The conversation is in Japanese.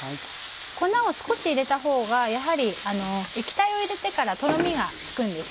粉を少し入れたほうがやはり液体を入れてからとろみがつくんです。